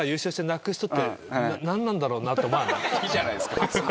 いいじゃないですか別に。